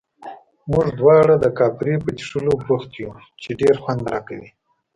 موږ دواړه د کاپري په څښلو بوخت یو، چې ډېر خوند راکوي.